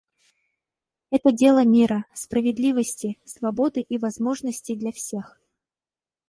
Это дело мира, справедливости, свободы и возможностей для всех.